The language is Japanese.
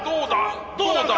どうだ？